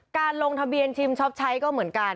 ลงทะเบียนชิมช็อปใช้ก็เหมือนกัน